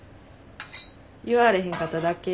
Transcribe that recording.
言われへんかっただけ。